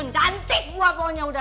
cantik gue pokoknya